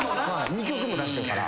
２曲も出してるから。